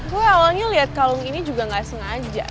gue awalnya liat kalung ini juga gak sengaja